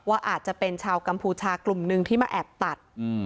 อาจจะเป็นชาวกัมพูชากลุ่มหนึ่งที่มาแอบตัด